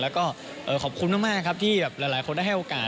แล้วก็ขอบคุณมากครับที่แบบหลายคนได้ให้โอกาส